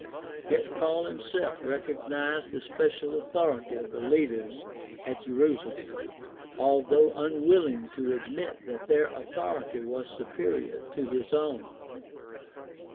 Yet Paul himself recognized the special authority of the leaders at Jerusalem, although unwilling to admit that their authority was superior to his own.